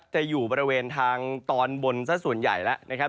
จะอยู่บริเวณทางตอนบนซะส่วนใหญ่แล้วนะครับ